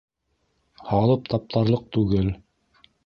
Һалып таптарлыҡ түгел.